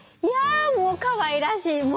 いやあもうかわいらしい。